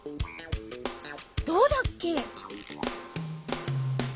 どうだっけ？